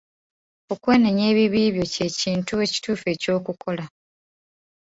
Okwenenya ebibi byo ky'ekintu ekituufu eky'okukola.